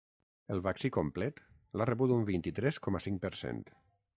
El vaccí complet l’ha rebut un vint-i-tres coma cinc per cent.